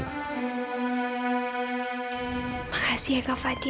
siap untuk melindungi kamu dari edo mila